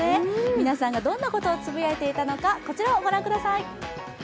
皆さんがどんなことをつぶやいていたのか、こちらをご覧ください。